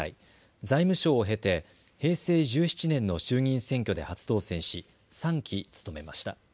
財務省を経て平成１７年の衆議院選挙で初当選し３期務めました。